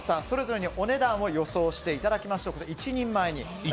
それぞれにお値段を予想していただきましょう。